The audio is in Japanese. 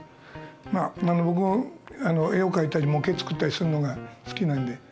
まあ僕絵を描いたり模型作ったりするのが好きなんで。